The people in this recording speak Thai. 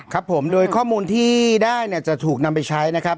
ครับผมโดยข้อมูลที่ได้เนี่ยจะถูกนำไปใช้นะครับ